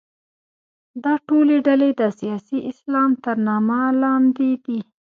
دا ټولې ډلې د سیاسي اسلام تر نامه لاندې دي.